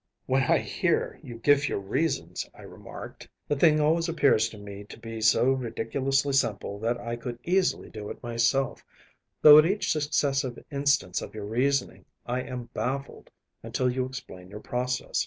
“When I hear you give your reasons,‚ÄĚ I remarked, “the thing always appears to me to be so ridiculously simple that I could easily do it myself, though at each successive instance of your reasoning I am baffled until you explain your process.